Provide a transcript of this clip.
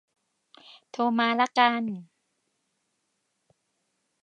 โทรมาละกัน